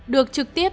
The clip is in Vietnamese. được trực tiếp